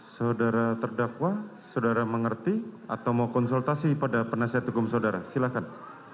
saudara terdakwa saudara mengerti atau mau konsultasi pada penasihat hukum saudara silahkan